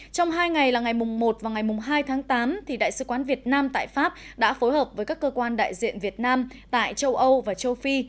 trong hai ngày là ngày một và ngày hai tháng tám đại sứ quán việt nam tại pháp đã phối hợp với các cơ quan đại diện việt nam tại châu âu và châu phi